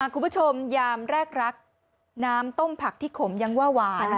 คุณผู้ชมยามแรกรักน้ำต้มผักที่ขมยังว่าหวาน